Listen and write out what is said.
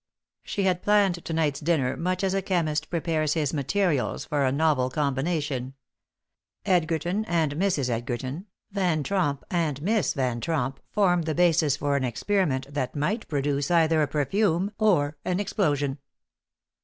She had planned to night's dinner much as a chemist prepares his materials for a novel combination. Edgerton and Mrs. Edgerton, Van Tromp and Miss Van Tromp formed the basis for an experiment that might produce either a perfume or an explosion.